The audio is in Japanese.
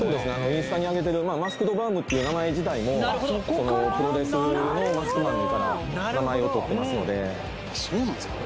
インスタにあげてるマスク・ド・バウムって名前自体もプロレスのマスクマンから名前をとってますのでそうなんですか？